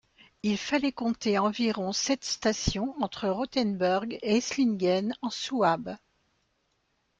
Il fallait compter environ sept stations entre Rothenburg et Esslingen en Souabe.